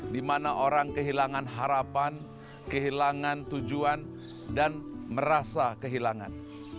dimana orang kehilangan harapan kehilangan tujuan dan merasa kehilangan